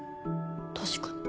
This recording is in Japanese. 確かに。